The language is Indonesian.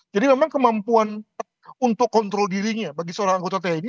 jadi memang kemampuan untuk kontrol dirinya bagi seorang anggota tni